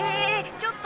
ちょっと！